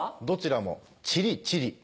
どちらもチリチリ。